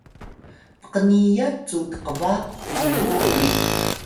pqniyat cu tqbaq biru uyi